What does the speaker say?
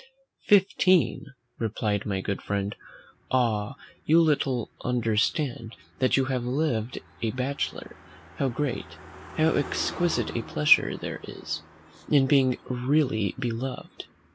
"Fifteen!" replied my good friend; "ah! you little understand, you that have lived a bachelor, how great, how exquisite a pleasure there is, in being really beloved!